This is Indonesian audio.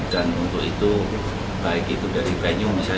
dan untuk listriknya kita sudah memasukkan listriknya